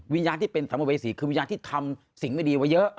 วิญญาณที่เป็นสัมภเวษีคือวิญญาณที่ทำสิ่งไม่ดีไว้เยอะ